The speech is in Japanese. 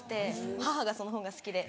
母がその本が好きで。